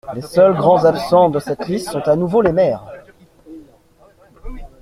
Les seuls grands absents de cette liste sont à nouveau les maires.